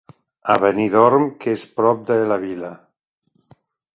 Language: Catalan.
A Benidorm, que és prop de la Vila.